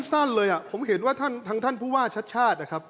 ผมสั้นเลยอ่ะผมเห็นว่าทางท่านผู้ว่าชาติ